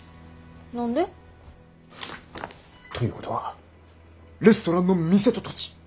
何で？ということはレストランの店と土地